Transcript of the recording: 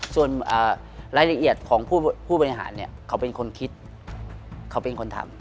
ส่วนรายละเอียดของผู้บริหารเนี่ยเขาเป็นคนคิดเขาเป็นคนทำ